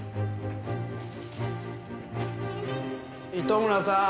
糸村さん